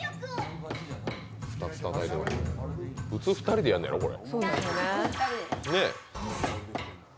普通２人でやんのやろ、これ？